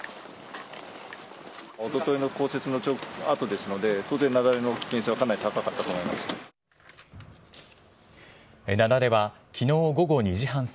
おとといの降雪のあとですので、当然雪崩の危険性はかなり高かったと思います。